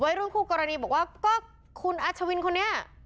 รุ่นคู่กรณีบอกว่าก็คุณอาชวินคนนี้